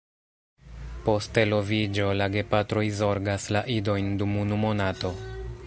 Post eloviĝo la gepatroj zorgas la idojn dum unu monato.